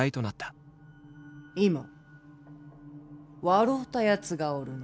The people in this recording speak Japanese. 今笑うたやつがおるの。